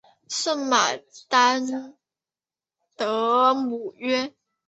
圣马丹德姆约。